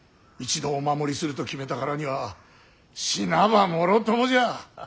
一度お守りすると決めたからには死なばもろともじゃ。